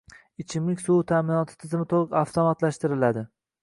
Ichimlik suv ta’minoti tizimi to‘liq avtomatlashtirilading